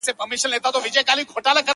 بېګا خوب کي راسره وې نن غزل درته لیکمه -